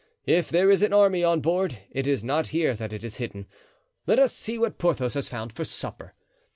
"If there is an army on board it is not here that it is hidden. Let us see what Porthos has found for supper."